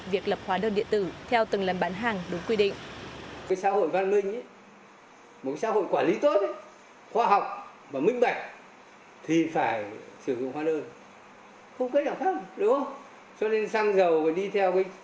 việc lập hóa đơn điện tử theo từng lần bán hàng đúng quy định